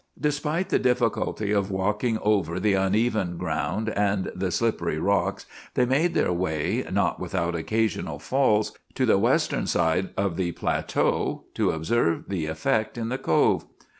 Despite the difficulty of walking over the uneven ground and the slippery rocks, they made their way, not without occasional falls, to the western side of the plateau to observe the effect in the Cove.